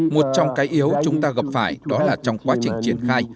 một trong cái yếu chúng ta gặp phải đó là trong quá trình triển khai